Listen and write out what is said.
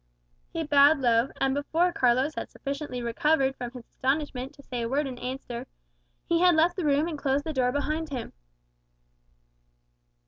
He bowed low; and before Carlos had sufficiently recovered from his astonishment to say a word in answer, he had left the room and closed the door behind him.